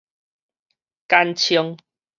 簡稱